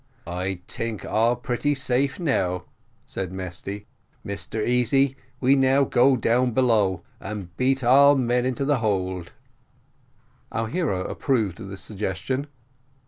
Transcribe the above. "I tink all pretty safe now," said Mesty. "Mr Easy, we now go down below and beat all men into the hold." Our hero approved of this suggestion.